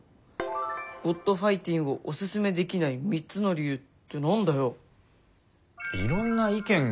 「『ｇｏｄファイティン』をおススメできない３つの理由」って何だよ。